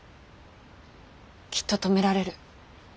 きっと止められる。